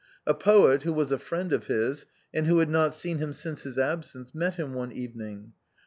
A poet, who was a friend of his, and who had not seen him since his absence, met him one evening.